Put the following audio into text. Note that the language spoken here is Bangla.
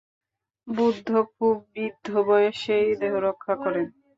বুদ্ধ খুব বৃদ্ধবয়সেই দেহরক্ষা করেন।